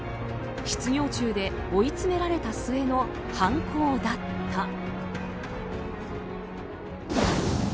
失業中で追い詰められた末の犯行だった。